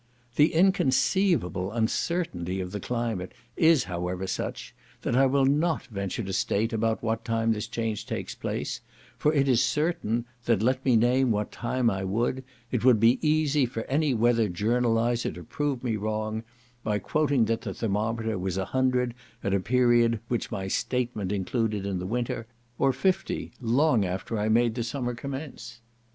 The inconceivable uncertainty of the climate is, however, such, that I will not venture to state about what time this change takes place, for it is certain, that let me name what time I would, it would be easy for any weather journaliser to prove me wrong, by quoting that the thermometer was at 100 at a period which my statement included in the winter; or 50 long after I made the summer commence.